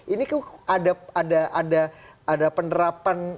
ini ada penerapan